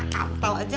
kamu tau aja